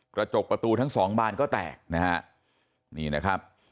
กระจกประตูทั้งสองบานก็แตกนะฮะ